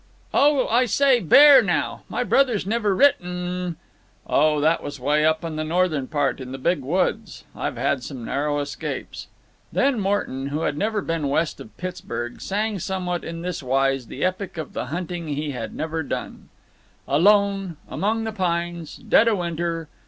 "Oh, I say, bear now! My brother's never written m—" "Oh, that was way up in the northern part, in the Big Woods. I've had some narrow escapes." Then Morton, who had never been west of Pittsburg, sang somewhat in this wise the epic of the hunting he had never done: Alone. Among the pines. Dead o' winter.